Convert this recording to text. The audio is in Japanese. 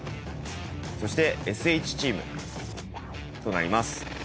そして「ＳＨチーム」となります。